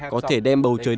có thể đem bầu trời xa xa